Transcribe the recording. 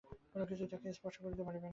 কোনো কিছুই তাকে স্পর্শ করতে পারবে না।